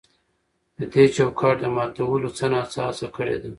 د دې چوکاټ د ماتولو څه نا څه هڅه کړې ده.